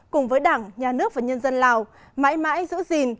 cùng với đảng nhà nước và nhân dân lào mãi mãi giữ gìn